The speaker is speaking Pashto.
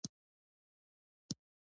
غږ يې دروند شو او کوزه يې پر سر چپه کړه.